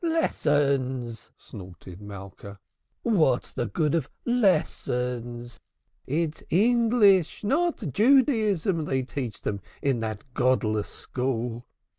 "Lessons!" snorted Malka. "What's the good of lessons? It's English, not Judaism, they teach them in that godless school.